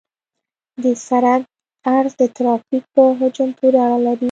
د سرک عرض د ترافیک په حجم پورې اړه لري